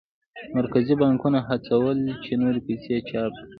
مرکزي بانکونه هڅول چې نورې پیسې چاپ کړي.